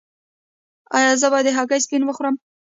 ایا زه باید د هګۍ سپین وخورم؟